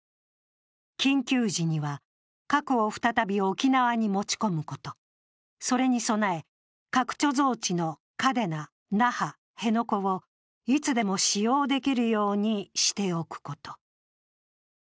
緊急時には、核を再び沖縄に持ち込むこと、それに備え、核貯蔵地の嘉手納、那覇、辺野古をいつでも使用できるようにしておくこと。